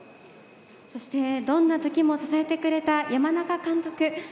そしてどんな時も支えてくれた山中監督